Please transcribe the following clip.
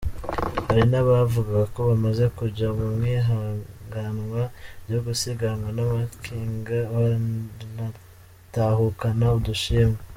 Hari nabavuga ko bamaze kuja mw’ihiganwa ryo gusiganwa n’amakinga baranatahukana udushimwe.